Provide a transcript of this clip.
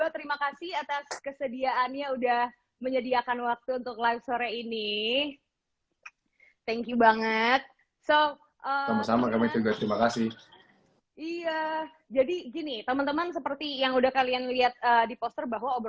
assalamualaikum wr wb